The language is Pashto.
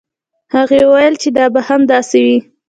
هغې وویل چې دا به هم داسې وي.